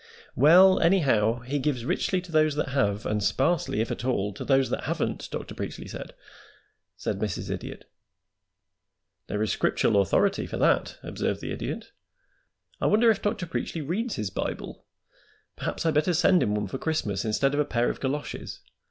"Well, anyhow, he gives richly to those that have, and sparsely, if at all, to those that haven't, Dr. Preachly said," said Mrs. Idiot. "There is scriptural authority for that," observed the Idiot. "I wonder if Dr. Preachly reads his Bible! Perhaps I'd better send him one for Christmas instead of a pair of galoshes.